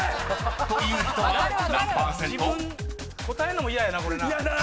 答えんのも嫌やなこれな。